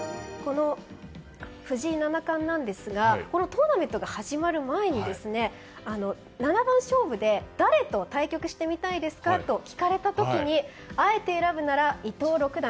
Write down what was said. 藤井七冠ですがこのトーナメントが始まる前に七番勝負で誰と対局してみたいですか？と聞かれた時にあえて選ぶなら伊藤六段